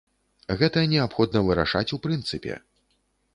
Гэта неабходна вырашаць у прынцыпе.